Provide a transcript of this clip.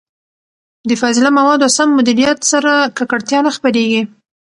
د فاضله موادو سم مديريت سره، ککړتيا نه خپرېږي.